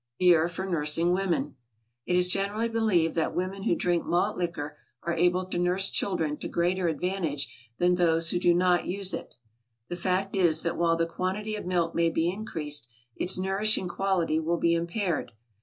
=Beer for Nursing Women.= It is generally believed that women who drink malt liquor are able to nurse children to greater advantage than those who do not use it. The fact is that while the quantity of milk may be increased, its nourishing quality will be impaired.